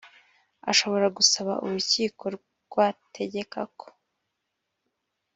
ashobora gusaba urukiko rwategeka ko